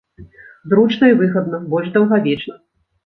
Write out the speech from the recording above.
Зручна і выгадна, больш даўгавечна.